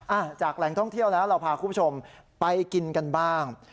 อ่ะจากแหล่งท่องเที่ยวแล้วเราพาคุณผู้ชมไปกินกันบ้าง